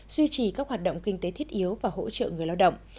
duy trì các hoạt động kinh tế thiết yếu và hỗ trợ người lao động